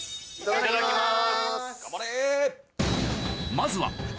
いただきます！